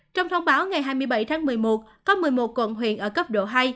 trong thông báo ngày hai mươi bảy tháng một mươi một có một mươi một quận huyện ở cấp độ hai